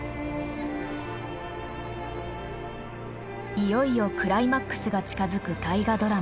いよいよクライマックスが近づく大河ドラマ